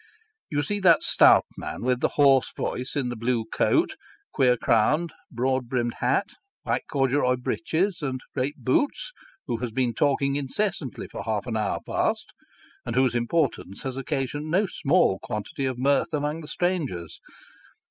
You see that stout man with the hoarse voice, in the blue coat, queer crowned, broad brimmed hat, white corduroy breeches, and great boots, who has been talking incessantly for half an hour past, and whose importance has occasioned no small quantity of mirth among the strangers.